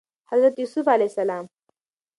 حضرت يوسف ع